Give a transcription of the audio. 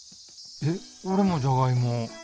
えっ俺もじゃがいも。